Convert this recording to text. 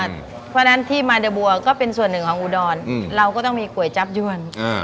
เพราะฉะนั้นที่มาเดอร์บัวก็เป็นส่วนหนึ่งของอุดรเราก็ต้องมีก๋วยจับยวน